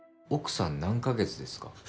奥さん何カ月ですか？